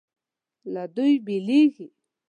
له دوی بېلېږي.